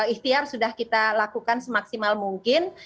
ikhtiar sudah kita lakukan semaksimal mungkin